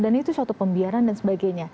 dan itu suatu pembiaran dan sebagainya